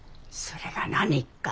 それが何か？